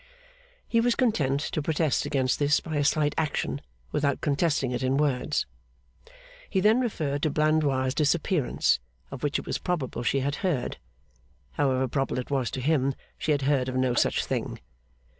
He was content to protest against this by a slight action without contesting it in words. He then referred to Blandois' disappearance, of which it was probable she had heard? However probable it was to him, she had heard of no such thing.